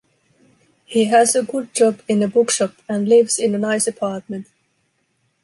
He has a good job in a bookshop, and lives in a nice apartment.